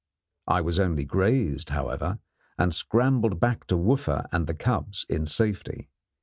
I was only grazed, however, and scrambled back to Wooffa and the cubs in safety.